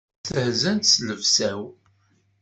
Stehzant s llebsa-w.